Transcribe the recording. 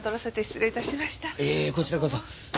いえこちらこそ。